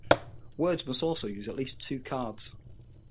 Words must also use at least two cards.